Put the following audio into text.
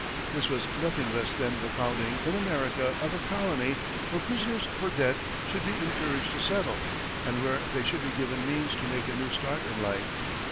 This was nothing less than the founding in America of a colony where prisoners for debt should be encouraged to settle, and where they should be given means to make a new start in life.